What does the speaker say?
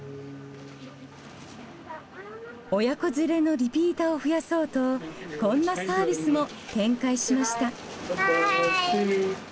親子連れのリピーターを増やそうとこんなサービスも展開しました。